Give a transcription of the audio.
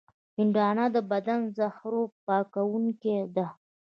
هندوانه د بدن د زهرو پاکوونکې ده.